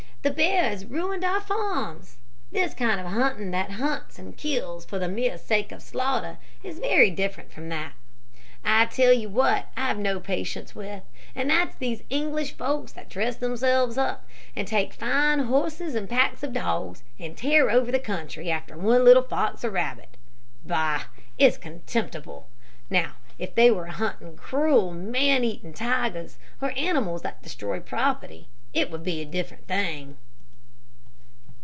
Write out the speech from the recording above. The bears ruined our farms. This kind of hunting that hunts and kills for the mere sake of slaughter is very different from that. I'll tell you what I've no patience with, and that's with these English folks that dress themselves up, and take fine horses and packs of dogs, and tear over the country after one little fox or rabbit. Bah, it's contemptible. Now if they were hunting cruel, man eating tigers, or animals that destroy property, it would be a different thing."